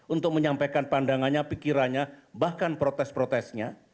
untuk menyampaikan pandangannya pikirannya bahkan protes protesnya